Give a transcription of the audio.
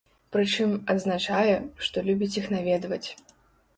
Прычым, адзначае, што любіць іх наведваць.